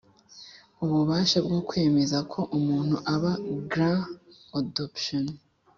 ububasha bwo kwemeza ko umuntu aba grant adoption